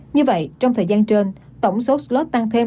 như vậy trong thời gian trên tổng số slot tăng thêm